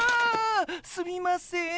すみません。